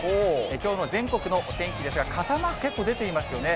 きょうの全国のお天気ですが、傘マーク、結構出ていますよね。